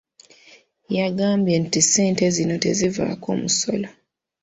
Yagambye nti ssente zino tezivaako musolo.